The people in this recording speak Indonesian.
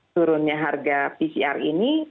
turunnya harga pcr ini